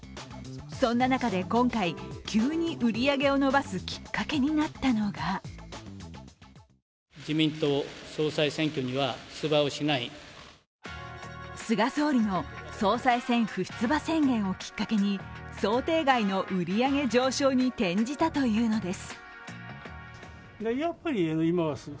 そんな中で今回急に売り上げを伸ばすきっかけになったのが菅総理が総裁選不出馬宣言をきっかけに想定外の売り上げ上昇に転じたというのです。